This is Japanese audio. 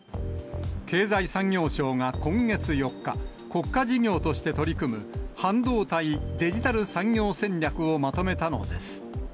経済産業省が今月４日、国家事業として取り組む、半導体・デジタル産業戦略をまとめたのです。